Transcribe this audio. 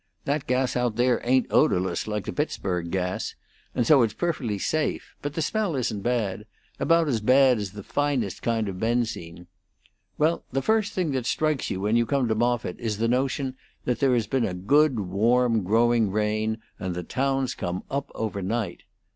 That gas out there ain't odorless, like the Pittsburg gas, and so it's perfectly safe; but the smell isn't bad about as bad as the finest kind of benzine. Well, the first thing that strikes you when you come to Moffitt is the notion that there has been a good warm, growing rain, and the town's come up overnight.